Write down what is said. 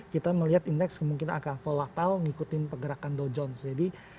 kita melihat indeks mungkin agak volatil mengikuti pergerakan dow jones